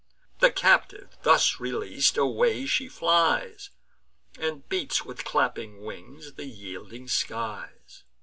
The captive thus releas'd, away she flies, And beats with clapping wings the yielding skies.